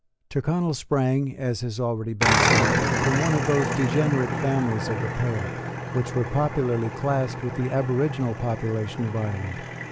Tyrconnel sprang, as has already been said, from one of those degenerate families of the Pale which were popularly classed with the aboriginal population of Ireland.